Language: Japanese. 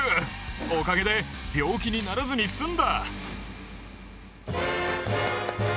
おかげで病気にならずに済んだ。